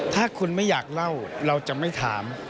ถ้าคุณไม่อยากเล่าเราจะไม่ถาม